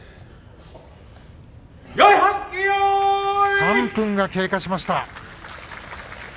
３分が経過しました。